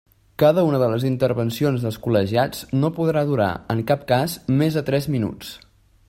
Cada una de les intervencions dels col·legiats no podrà durar, en cap cas, més de tres minuts.